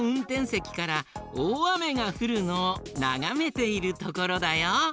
せきからおおあめがふるのをながめているところだよ。